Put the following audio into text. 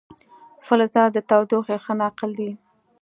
فلزات د تودوخې ښه ناقل دي.